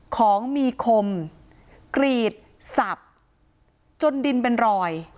ของมีคมกรีดสับจนดินเป็นรอย